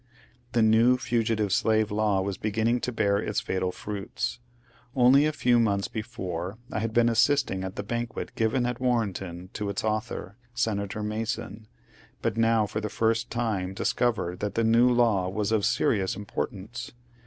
The new Fugitive Slave Law was beginning to bear its fatal fruits. Only a few months before I had been assisting at the banquet given at Warrenton to its author. Senator Mason, but now for the first time discovered that the new law was of serious importance.